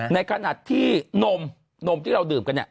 ในขณะที่นมนมที่เราดื่มกันเนี่ย